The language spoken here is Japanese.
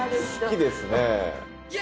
好きですね。